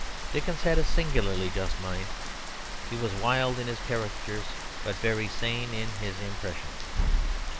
Dickens had a singularly just mind. He was wild in his caricatures, but very sane in his impressions.